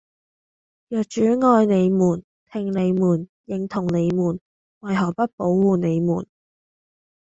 若主愛你們，聽你們，認同你們，為何不保護你們？